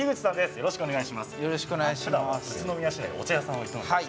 よろしくお願いします。